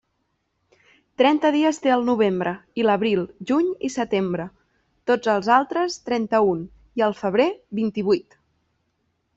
Trenta dies té el novembre, i l'abril, juny i setembre; tots els altres, trenta-un i el febrer vint-i-vuit.